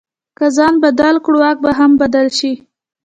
که ځان بدل کړو، واک به هم بدل شي.